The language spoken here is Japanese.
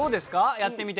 やってみて。